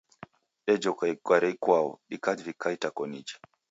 Dejoka igari ikwau, dikavika itakoniji.